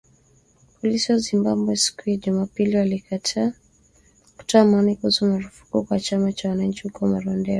Polisi wa Zimbabwe siku ya Jumapili walikataa kutoa maoni kuhusu marufuku kwa chama cha wananchi huko Marondera